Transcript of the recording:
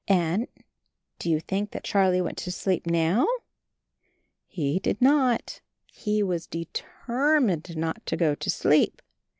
And — do you think that Charlie went to sleep now? He did not. He was deter mined not to go to sleep.